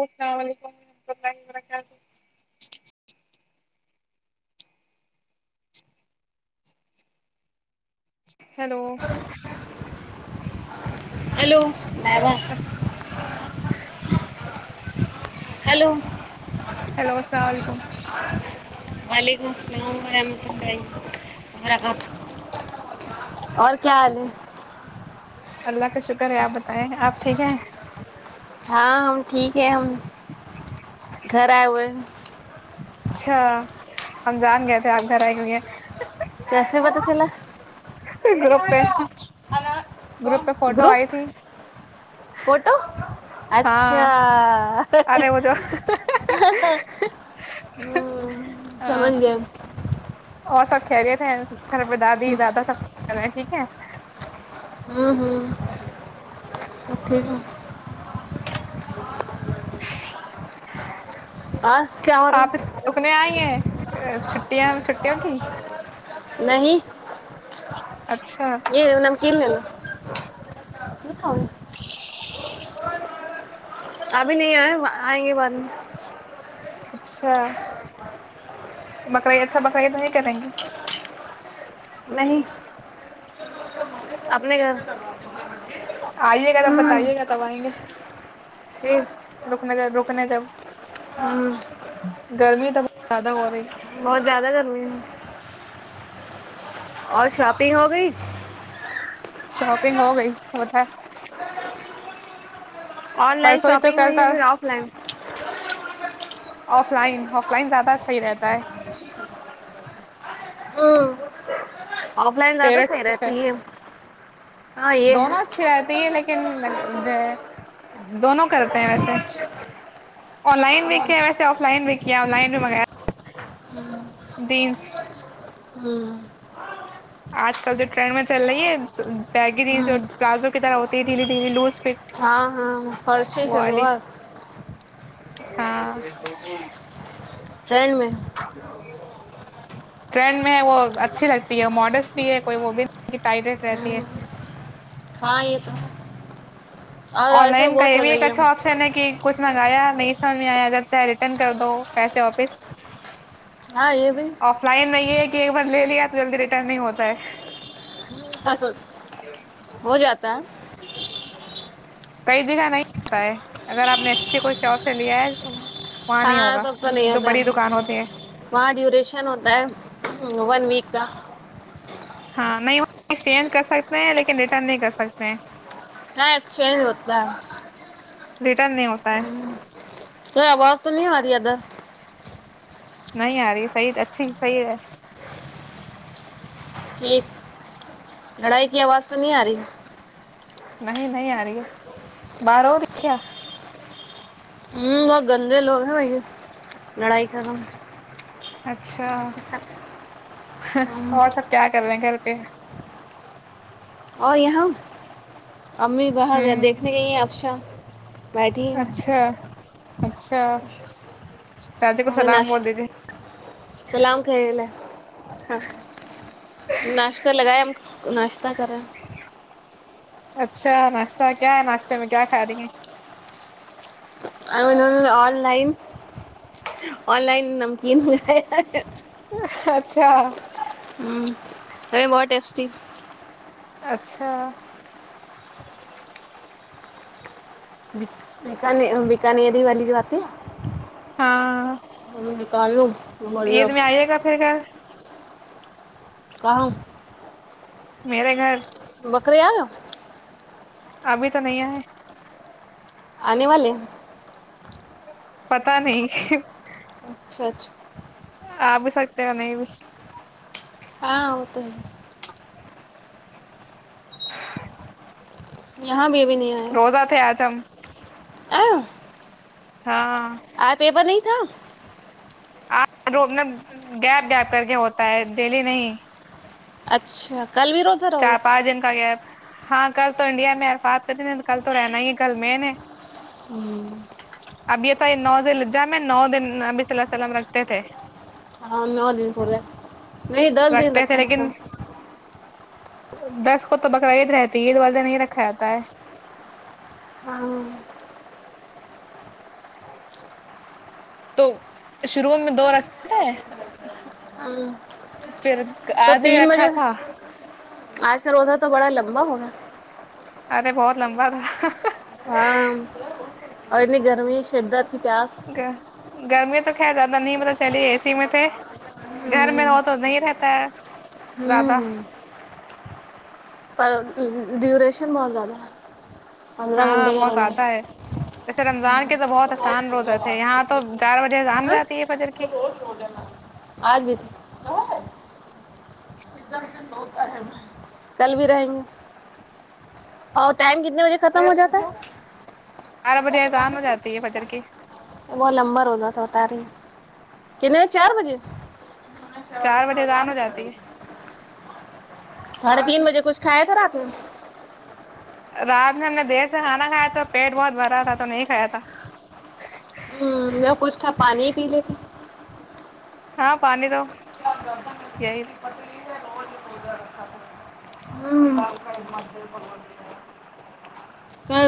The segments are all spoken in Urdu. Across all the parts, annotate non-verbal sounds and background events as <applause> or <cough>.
السلام علیکم ورحمۃ اللہ وبرکاتہ ہیلو ہیلو نوہ <inaudible> ہیلو ہیلو السلام علیکم وعلیکم السلام رحمۃ اللہائی وبرکات اور کیا حال ہے اللہ کا شکر ہے آپ بتائیں آپ ٹھیک ہیں ہاں ہم ٹھیک ہے ہم گھر آئے ہوئے اچھا ہم جان گئے تھے آپ گھر آ کے لیے کیسے پتا چلا گوپ ہے آنا گروپ فوٹو ہاں اچھا ارے وہ جو ہ سمج گیا چڑے پہن سے ھر پہ دادی دادا سب رہ ہیں ٹھیک ہے اتھی گ اور کیا ہو <inaudible> آپ اس رہا اتنے آئی ہیں چھٹیاں چھٹیوں کی نہیں اچھا یہ نم کللہ ج کا <unintelligible> <inaudible> ابھی نہیں آئے آئیں گے بعد میں اچھا بکرعید سا بکرعید نہیں کریں گی نہیں اپنے گھر آئیے گا تب ہوں بتائیے گا تب آئیں گے ٹھیک رکنے رکنے جب ہوں گرمی تو بہت زیادہ ہو رہی بہت زیادہ گرمی ہے اور شاپنگ ہو گئی شوپنگ ہو گئی ہو تھا آن لائن ہی تو شاپنگ کل ہوئی ہے تھا پھر offline offline offline زیادہ صحیح رہتا ہے ہاں <unintelligible> آف لائن زیادہ صحیح فیوریٹ سے رہتی ہے ہاں یہ ہے دونوں اچھی رہتی ہے لیکن جو ہے دونوں کرتے ہیں ویسے آن لائن دیکھیں ویسے آف لائن دیکیں <unintelligible> ہمم۔۔ <inaudible> ٹرن میں چل رہی ہے ہاں <inaudible> <unintelligible> ہاں ہاں پرش وہ چلو والی آات ہاں ٹرینڈ میں <inaudible> ٹرینڈ میں ہے وہ اچھی لگتی ہے ماڈرن <unintelligible> کی ٹائریٹ رہتی ہے ہاں یہ تو اور آن آج کل لائن کا وہ یہ بھی چل ایک رہی اچھا آپشن ہے کہ کچھ منگایا نہیں سمج میں آیا چاہے ین کر دو پیسے واپس ہاں یہ بھی آف لائن نہیں ہے ایکک بن لے لیا تھا جلدی ریٹرن نہیں ہوتا ہے ہو جاتا ہے کئی جگہ نہیں ہوتا ہے اگر آپ نے اچھے کوئی شوق سے لیا ہے وہاں نہیں ہاں ہوگا تب تو نہیں جو ہوتا بڑی دکان ہوتی ہے وہاں ڈیوریشن ہوتا ہے ون <inaudible> ہاں نہیں وہ ایکچینج کر سکتے ہیں لیکن ریٹرن نہیں کر سکتے ہیں نا ایکسچینج ہوتاتا ہے ریٹرن نہیں ہوتا ہے ہ کوئی آواز تو نہیں ہماری ادھر نہیں آ رہی صحیح اچھی صحی ہے <unintelligible> کی آواز تو نہیں آ رہی نہیں نہیں آ رہی ہے بار ہو رہی کیا ہوں بہت گندے لوگ ہیں بھائی یہ لڑائی کروں <inaudible> اچھا ہوں اور سب کیا کر رہے ہیں گھر پ <unintelligible> اور یہاں امی باہر گیا ہوں دیکھنے گئی ہیں افشا اچھا اچھا <unintelligible> سلام بول دیجیے سلام ناشتہ لگا ناش تا کریں اچھا ناشتہ کیا ہے ناشتے میں کیا کھا رہی ہیں ا آن لائن آن لائن نمکن م اچھا ہوں ارے بہت ٹیسٹی اچھا بیک بیکانری والی جو آاتتی ہے ہاں ہم نکالوں یہید میں آئیے گا پھر گھر کہؤں <unintelligible> میریرے گھر بکر آ <unintelligible> ابھی تو نہیں آئے آنے والے پتا نہیں اچھا اچھا آ بھی سکتے ہیں نہیں بھی ہاں وہ تو ہے یہاں بھی ابھی نہیں آیا روزہ تھے آج ہم <unintelligible> ہاں آ پیپر نہیں <unintelligible> آ ر گیپ گیپ کر کے ہوتا ہے ڈیلی نہیں اچھا کل بھی روزہ رہو گے چار پانچ دن کا گیا ہاں کل تو انڈیا میں ارفات کر کل تو رہنا ہی ہے گل میں نے اب یہت یہ نوزل ج میں نو دن ابی صلی اللہ السلم رکھتے تھے ہاں نو دن پورے نہیں دس دن رکھتے تھے ہیں سب لیکن دس کو تو بکرا عید رہتی ہے عید والدہ نہیں رکھا جاتا ہے ہمم <unintelligible> شروع میں دو رکھے تھے ہاں پھر تو آج تین رکھا بجے تھا آج کا روزہ تو بڑا لمبا ہوگا ارے بہت لمبا تھا ہاں اور انی گرمی شدت کی پیاس گ گرمی تو زیادہ نہیں پت چلی اے سی میں تھے گھر میں ہو ہوں تو نہیں رہتا ہے زیادہ ہوں پر ڈیوریشن بہت زیادہ ہے پندرہ ہاں گھنٹے کا بہت روزہ زیادہ ہے رمضان کے تو بہت آسان روزتے تھے یہاں تو چار بجےسان رہتی ہے بجر کی آج بھی تھے کل بھی رہیں گے اور ٹائم کتنے بجے ختم ہو جاتا ہے آارا بجے اسان ہو جاتی ہے بجر کی کنے چار بجے چار بجے اذان م ہو جاتی ساڑھے تین بجے کچھ کھایا تھا رات میں رات میں ہم نے دیر سے کھانا کھایا تھا پیٹ بہت بھرا تھا تو نہیں کھایا تھا ہ جو کچھ تھا پانی ہی پی لیتے ہاں پانی دو ہ بی ب پ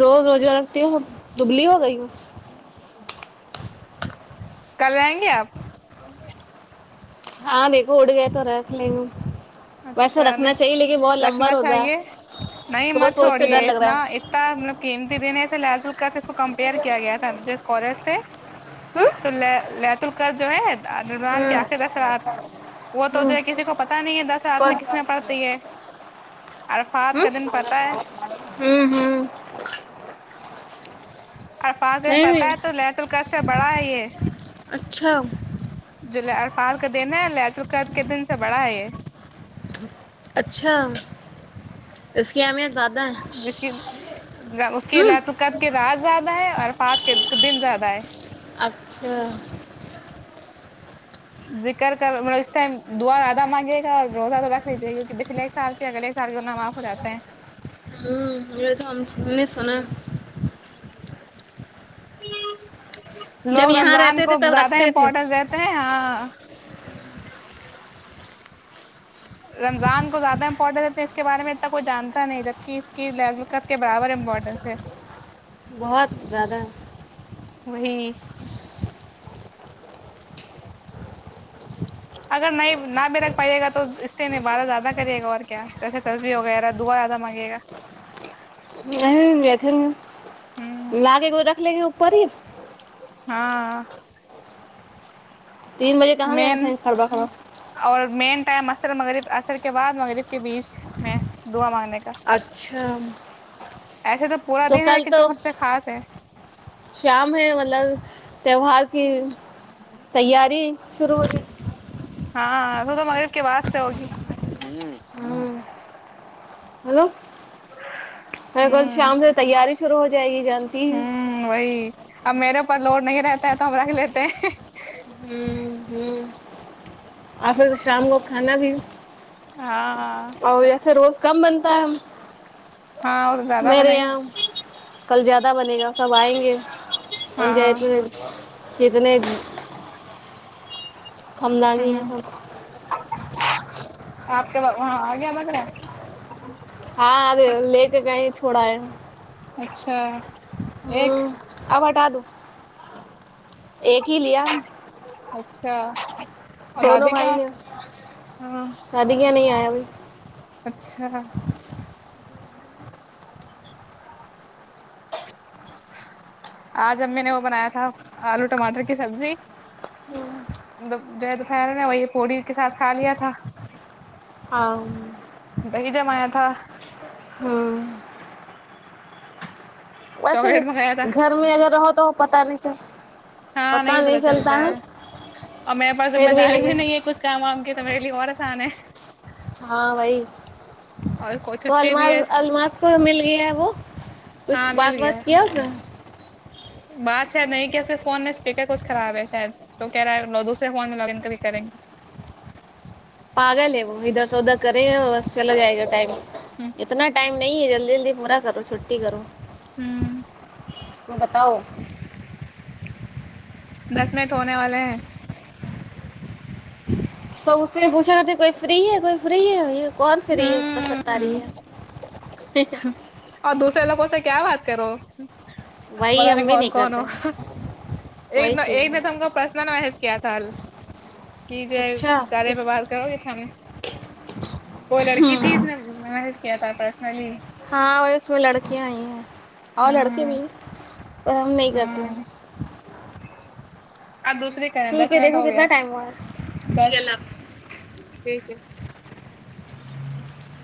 روز روزگ رکھتی ہ دبلی ہو گئی ہو کل رہیں گے آپ ہاں نہیں کو اڈ گیا تو رہ ل اچھا نہیں رکھنا روزہ چاہیے ہے نہیں سوچ مت سوچ کے ڈر چھوڑیے لگ رہا ہے اتنا اتنا مطلب قیمتی دنے ایسے لاز کو کمپئر کیا گیا تھا جو اسکالر تھے توت الک جو ہےان کے ہوں آخر درات وہ تو جو ہوں ہے کسی کو پتا نہیں ہے ساتھ کون میں کس میں پڑتی ہے عرفات ہوں کا دن پتہ ہے ہوں ہوں ارفاظ دن نہیں پتا نہیں ہے تو لے تو کیسے بڑا ہے یہ اچھا جو لے عرفان کا دن ہے لچ القد کے دن سے بڑا ہے یہ اچھا اس کی اہمیت زیادہ ہے جس کی اس کے ل ہوں توقت کے رات زیادہ ہے افات کے دن زیادہ ہے اچھا ذکر کر مطلب اس ٹائم دعا زیادہ مانگے گا اور روزہ تو رکھ لیجیے گا کیہ پچھلے ایک سال کے اگلے ایک سال کے اپنا معاف ہو جاتے ہیں ہوں ا تو سنا جب لوگ یہاں رمضان رہتے تھے کو تب زیادہ رکھتے تھے امپورٹینس دیتے ہیں ہاں رمضان کو زیادہ امپورٹینس ات ہے اس کے بارے میں اتنا کوئی جانتا نہیں جبک اس کی لذقت کے برابر امپورٹینس ہے بہت زیادہ وہی اگر نہیں نہ بھی رکھ پائیے گا تو اس لی نبدہ زیادہ کریے گا اور کیا جیسے ترفی وغیرہ دعا زیادہ آمگ نہیں دیں گ ہوں لا کے کوئی ر لے گ اوپر ہی ہاں تین بجے <inaudible> کہاں بھی مین کھائیں کھڑبا کھڑا اور مین ٹائم آصر مغ عصر کے بعد مغرب کے بیچ میں دعا مانگنے کا اچھا ایسے پورا تو دن ہے کل لیکن تو جو سب سے خاص ہے شام ہے مطلب تیوار کی تیاری شروع ہوتیئی تھی ہاں تو تو مغر کے بعد سے ہوگی ہوں ہیلو م کل ہوں شام سے تیاری شرو ہو جائے گی ہوں وہی اب میرے اوپر لوڈ نہیں رہتا ہے تو ہم رکھ لیتے تو ہوں ہوں اور پھر شام کو کھانا بھی ہاں اور اییسے روز کاار ک بنتا ہاں وہ تو ہے زیادہ میرے بنے گا یہاں کل زیادہ بنے گا سب آئیں گے ہاں جت انے کند نہیں ہے س ہوں ہاں آگ مگرگر ہاں ا لے کے کہیں تھوڑا اچھا ایک ہوں آپٹ آادو ایک ہی لیا اچھا دونوں دادی بھائی کا نے ہاں دادی کیا نہیں آیا بھ اچھا آج ابمی نے وہ بنایا تھا آلو ٹماٹر کی سبزی د تو پیر نے وہی پوڑی کے ساتھ کھا لیا تھا ہ دی جمایا تھا ہوں ویسے چاکلیٹ منگایا تھا گھر میں اگر رہو تو پتا نہیں چب ہاں نہیں پتا چلتا ہے اور میرے پاس ذمہ پھر لے داری کے بھی نہیں ہے کچھ کام کی تو میرے لیے اور آسان ہے ہاں بائی اور کو تو چھٹی بھی المار ہے المس پور مل جی ہے وہ کچھ ہاں بات مل گیا وات کیا س بات ہے نہیں کیسے فون پ کیا کچھ خراب ہے شاید تو کہہ رہا ہے ل دوسرے فون میں لاگ ان ک بھی کریں گے پاگل لےو ادھر سے ادھر کریں گے بس چلا جائے گا ٹائم ہوں اتنا ٹائم نہیں جلدی جلدی پورا کرو چھوٹی کرو ہوں <unintelligible> تم بتاؤ <unintelligible> دس منٹ ہونے والے ہیں سب اس پوچھا کرتے کوئی فری ہے کوئی فری ہے کون فری ہے ہ ستتا رہ ہے اور دوسرے لگ سے کیا بات کرو پت وہی ہم نہیں بھی کون کون ہو کرتے ہیں، ایک وہی چیز ایک ہے نے تم کو پرسنل مسج کیا تھا کی جو اچھا چارے پہ کس بات کرو گے کوئی لڑکی تھی اس نے م کیا تھا پرسنلی ہاں وہ اس میں لڑکیاں ہی ہیں اور لڑکے بھی ہ اور ہم نہیں کرتے ہ آپ دوسری کہیں ٹھیک دس ہے منٹ دیکھو ہو گیا کتنا ٹائم ہوا ہے بس ٹھیک ہے ج <unintelligible>